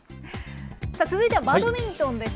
続いてはバドミントンです。